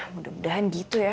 mudah mudahan gitu ya